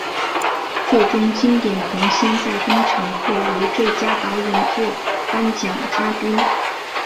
最终经典童星在登场后为最佳导演作颁奖嘉宾。